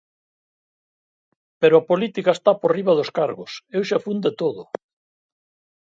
Pero a política está por riba dos cargos, eu xa fun de todo.